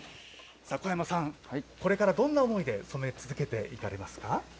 小山さん、これからどんな思いで染め続けていかれますか？